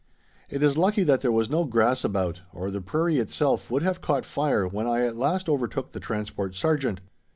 It is lucky that there was no grass about, or the prairie itself would have caught fire when I at last overtook the Transport Sergeant.